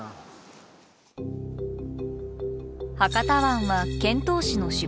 博多湾は遣唐使の出発点。